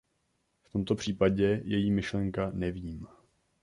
V tomto případě je jí myšlenka "Nevím".